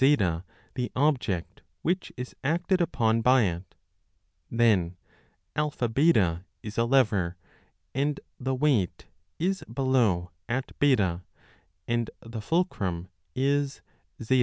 8 53 a MECHANICA the object which is acted upon by it ; then AH is a lever and the weight is below at B, and the fulcrum is ZA.